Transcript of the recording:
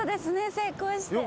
成功して。